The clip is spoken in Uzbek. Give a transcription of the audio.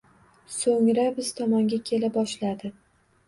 Soʻngra biz tomonga kela boshladi